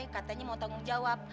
katanya mau tanggung jawab